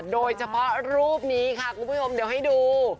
โดยเฉพาะรูปนี้ค่ะคุณผู้ชมเดี๋ยวให้ดู